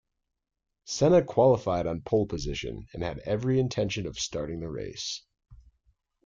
Senna qualified on pole position, and had every intention of starting the race.